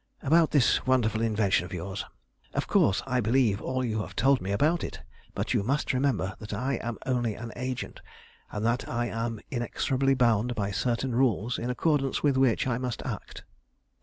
About this wonderful invention of yours. Of course I believe all you have told me about it, but you must remember that I am only an agent, and that I am inexorably bound by certain rules, in accordance with which I must act.